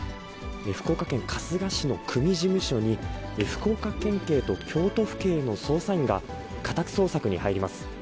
福岡県春日市の組事務所に、福岡県警と京都府警の捜査員が、家宅捜索に入ります。